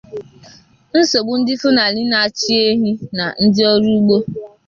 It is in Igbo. nsogbu ndị Fulani na-achị ehi na ndị ọrụ ugbo